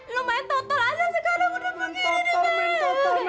lu main totol aja sekarang udah begini be